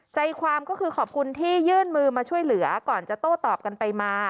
ใจความก็คือขอบคุณที่ยื่นมือมาช่วยเหลือก่อนจะโต้ตอบกันไปมา